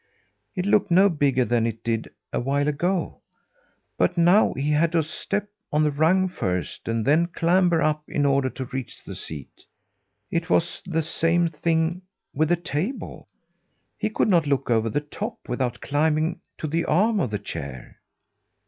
It looked no bigger than it did a while ago; but now he had to step on the rung first, and then clamber up in order to reach the seat. It was the same thing with the table. He could not look over the top without climbing to the arm of the chair.